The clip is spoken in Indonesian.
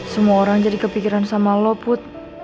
semua orang jadi kepikiran sama lo put